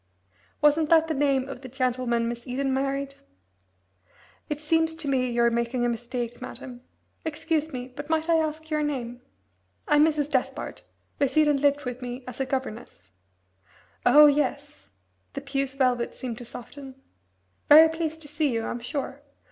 "Wasn't that the name of the gentleman Miss Eden married?" "It seems to me you're making a mistake, madam. Excuse me, but might I ask your name?" "I'm Mrs. Despard. Miss Eden lived with me as governess." "Oh, yes" the puce velvet seemed to soften "very pleased to see you, I'm sure!